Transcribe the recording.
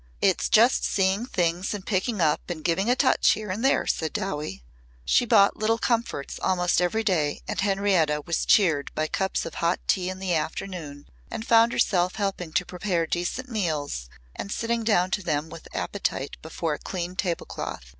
"It's just seeing things and picking up and giving a touch here and there," said Dowie. She bought little comforts almost every day and Henrietta was cheered by cups of hot tea in the afternoon and found herself helping to prepare decent meals and sitting down to them with appetite before a clean tablecloth.